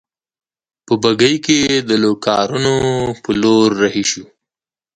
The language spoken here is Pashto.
په بګۍ کې د لوکارنو په لور رهي شوو.